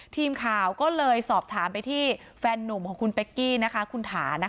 ทีมข่าวก็เลยสอบถามไปที่แฟนหนุ่มของคุณเป๊กกี้คุณถา